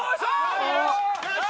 ・よし！